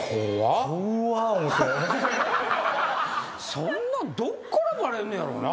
そんなんどっからバレんのやろうな。